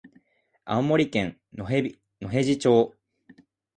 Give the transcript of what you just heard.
青森県野辺地町